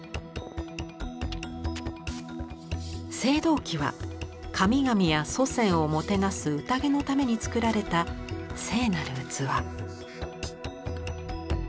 青銅器は神々や祖先をもてなす宴のために作られた聖なる器。